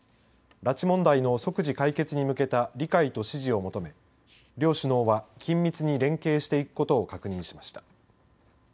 拉致問題の即時解決に向けた理解と支持を求め両首脳は緊密に連携していくことを確認しました。